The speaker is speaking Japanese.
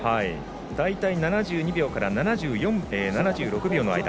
大体７２秒から７６秒の間。